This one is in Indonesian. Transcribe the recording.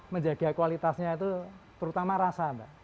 menjaga kualitasnya itu terutama rasa mbak